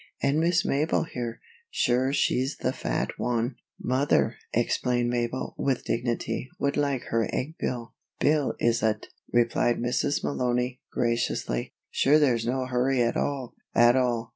An' Miss Mabel here sure she's the fat wan " "Mother," explained Mabel, with dignity, "would like her egg bill." "Bill, is ut?" replied Mrs. Malony, graciously. "Sure there's no hurry at all, at all.